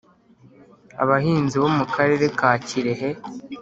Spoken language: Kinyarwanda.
abahinzi bo mu Karere ka Kirehe